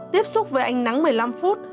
tiếp xúc với ánh nắng một mươi năm phút